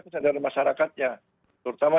kesadaran masyarakatnya terutama